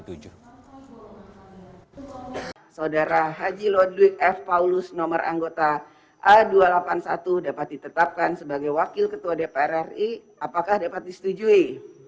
saudara haji lodwi f paulus nomor anggota a dua ratus delapan puluh satu dapat ditetapkan sebagai wakil ketua dpr ri apakah dapat disetujui